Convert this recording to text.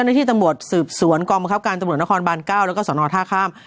ที่ตำรวจสืบสวนกองบังคับการตำรวจนครบาน๙แล้วก็สนท่าข้าม